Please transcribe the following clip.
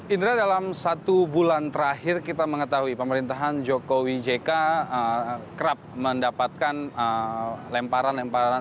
indra dalam satu bulan terakhir kita mengetahui pemerintahan jokowi jk kerap mendapatkan lemparan lemparan